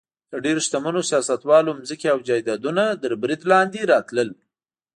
د ډېرو شتمنو سیاستوالو ځمکې او جایدادونه تر برید لاندې راتلل.